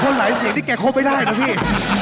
หลายเสียงที่แกคบไม่ได้นะพี่